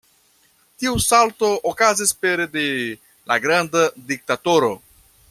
Tiu salto okazis pere de "La granda diktatoro".